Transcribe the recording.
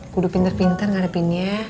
kudu pinter pinter gak repinnya